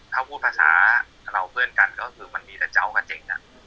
ถ้าพูดภาษาเราเพื่อนกันก็คือมันมีแต่เจ้ากับเจ๋ง